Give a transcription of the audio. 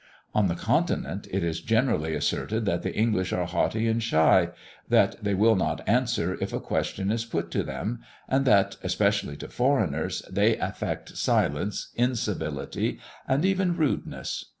On the Continent, it is generally asserted that the English are haughty and shy, that they will not answer if a question is put to them; and that, especially to foreigners, they affect silence, incivility, and even rudeness.